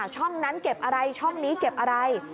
ช่องนั้นเก็บอะไรช่องนี้เก็บอะไร